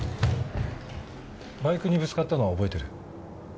バイクにぶつかったのは覚えてる？